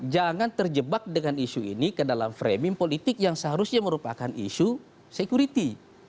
jangan terjebak dengan isu ini ke dalam framing politik yang seharusnya merupakan isu security